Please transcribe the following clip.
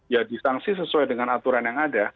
ya disangsi sesuai dengan aturan yang ada